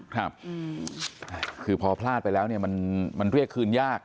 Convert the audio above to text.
จริงค่ะคือพอพลาดไปแล้วมันเรียกคืนยาก